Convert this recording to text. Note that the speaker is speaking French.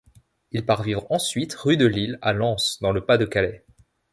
Il part vivre ensuite rue de Lille à Lens dans le Pas-de-Calais.